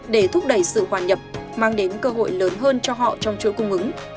để thúc đẩy sự hoàn nhập mang đến cơ hội lớn hơn cho họ trong chuỗi cung ứng